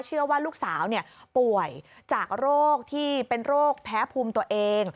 เชื่อว่าลูกสาวป่วยจากโรคที่เป็นโรคแพ้ภูมิตัวเอง